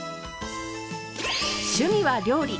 趣味は料理。